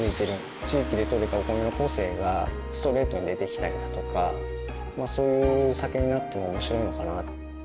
地域で取れたお米の個性がストレートに出てきたりだとかそういうお酒になっても面白いのかな。